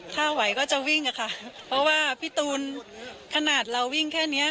ถ้าไหวก็จะวิ่งอะค่ะเพราะว่าพี่ตูนขนาดเราวิ่งแค่เนี้ย